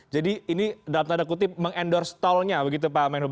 jadi ini dalam tanda kutip mengendorse tolnya begitu pak menhub